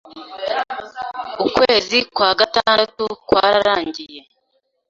Ukwezi kwa gatandatu kwararangiye